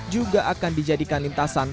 juga akan dijadikan lintasan